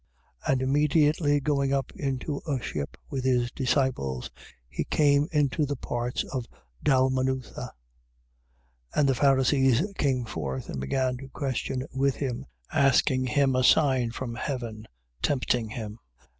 8:10. And immediately going up into a ship with his disciples, he came into the parts of Dalmanutha. 8:11. And the Pharisees came forth and began to question with him, asking him a sign from heaven, tempting him.